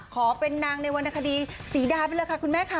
ขอเป็นนางในวรรณคดีศรีดาไปเลยค่ะคุณแม่ค่ะ